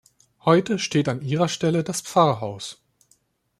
Heute steht an ihrer Stelle das Pfarrhaus.